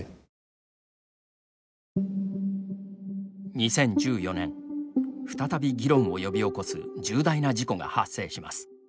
２０１４年再び議論を呼び起こす重大な事故が発生します。